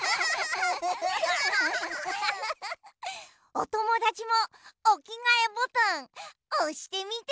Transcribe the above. おともだちもおきがえボタンおしてみて。